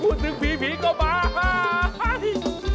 พูดถึงผีก็ไป